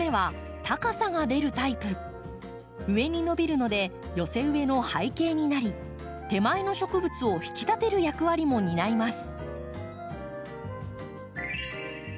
上に伸びるので寄せ植えの背景になり手前の植物を引き立てる役割も担います。